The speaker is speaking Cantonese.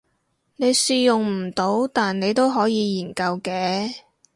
你試用唔到但你都可以研究嘅